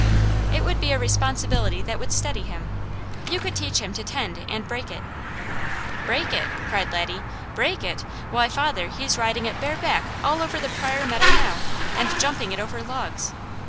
It would be a responsibility that would steady him. You could teach him to tend and break it." "Break it!" cried Laddie. "Break it! Why father, he's riding it bareback all over the Pryor meadow now, and jumping it over logs.